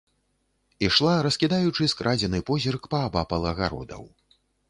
Ішла, раскідаючы скрадзены позірк паабапал агародаў.